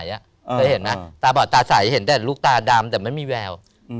เคยเห็นไหมตาบอดตาใสเห็นแต่ลูกตาดำแต่ไม่มีแวว